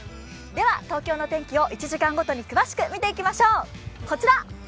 では東京の天気を１時間ごとに詳しく見ていきましょう。